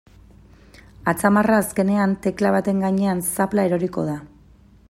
Atzamarra azkenean tekla baten gainean zapla eroriko da.